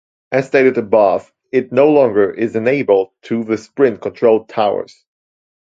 As stated above, it no longer is enabled on the Sprint-controlled towers.